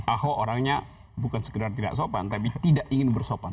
ahok orangnya bukan sekedar tidak sopan tapi tidak ingin bersopan